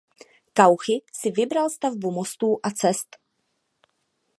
Cauchy si vybral stavbu mostů a cest.